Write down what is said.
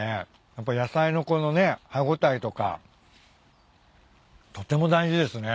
やっぱ野菜のこのね歯応えとかとても大事ですね。